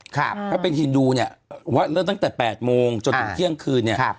ถ้าเป็นฮินดูเนี่ยเราเล่าตั้งแต่แปดโมงจนถึงเที่ยงคืน